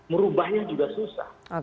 merubahnya juga susah